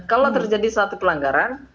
kalau terjadi satu pelanggaran